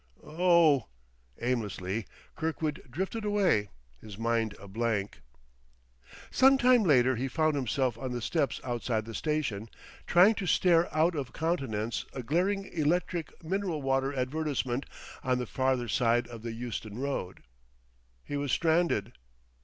"Oh h!..." Aimlessly Kirkwood drifted away, his mind a blank. Sometime later he found himself on the steps outside the station, trying to stare out of countenance a glaring electric mineral water advertisement on the farther side of the Euston Road. He was stranded....